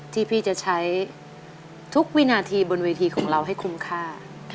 ที่พี่จะใช้ทุกวินาทีบนเวทีของเราให้คุ้มค่า